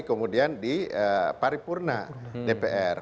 kemudian di paripurna dpr